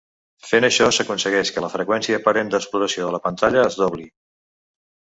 Fent això s'aconsegueix que la freqüència aparent d'exploració de la pantalla es dobli.